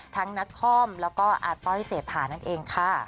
ทั้งนักคล่อมแล้วก็อาต้อยเสพานั่นเองค่ะ